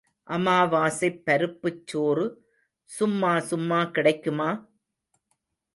அமாவாசைப் பருப்புச் சோறு சும்மா சும்மா கிடைக்குமா?